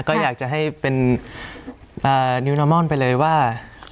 ก็อยากจะให้เป็นนิวนามอนไปเลยว่า